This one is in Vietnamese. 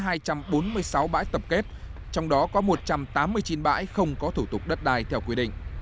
sở tài nguyên và môi trường báo cáo có hai trăm bốn mươi sáu bãi tập kết trong đó có một trăm tám mươi chín bãi không có thủ tục đất đai theo quy định